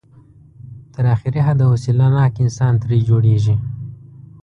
تر اخري حده حوصله ناک انسان ترې جوړېږي.